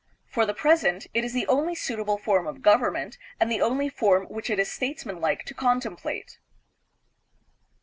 For the present, it is the only suitable form of government and the only form which it is statesmanlike to contemplate.